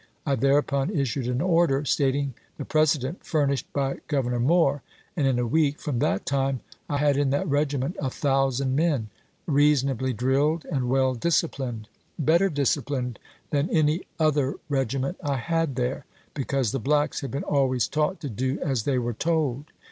I thereupon issued an order, stating the precedent furnished by Governor Moore, and in a week from that time I had in that regiment a thousand men, reasonably drilled and well disciplined; better disciplined than any other regiment I had there, because the blacks Testimony, ^^^ bccu always taught to do as they were told.